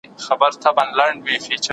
مور د ماشوم د لاس ټپ درملنه کوي.